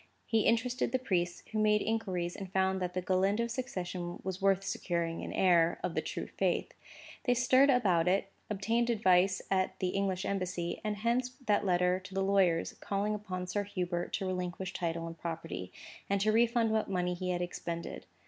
He interested the priests, who made inquiries and found that the Galindo succession was worth securing to an heir of the true faith. They stirred about it, obtained advice at the English Embassy; and hence that letter to the lawyers, calling upon Sir Hubert to relinquish title and property, and to refund what money he had expended.